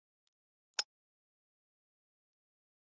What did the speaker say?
ربما يكون القط مختبئا تحت السرير.